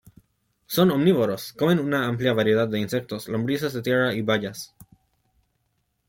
Son omnívoros, comen una amplia variedad de insectos, lombrices de tierra y bayas.